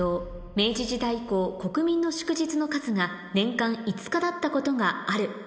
「明治時代以降国民の祝日の数が年間５日だったことがある」